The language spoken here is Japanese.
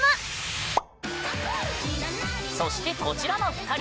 そしてこちらの２人。